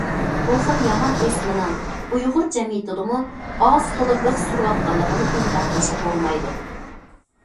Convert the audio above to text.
بۇ خىل يامان ئۆسمىنىڭ ئۇيغۇر جەمئىيىتىدىمۇ ئاز- تولا بىخ سۈرۈۋاتقانلىقىنى ئىنكار قىلىشقا بولمايدۇ.